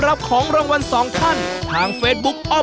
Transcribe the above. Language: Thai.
หลังจากรายการออกอากาศนะครับ